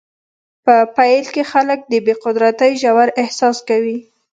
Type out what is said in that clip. په پیل کې خلک د بې قدرتۍ ژور احساس کوي.